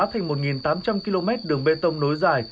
thành một tám trăm linh km đường bê tông nối dài